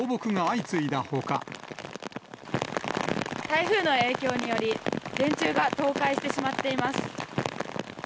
台風の影響により、電柱が倒壊してしまっています。